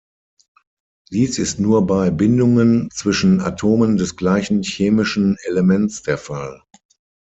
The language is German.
Dies ist nur bei Bindungen zwischen Atomen des gleichen chemischen Elements der Fall.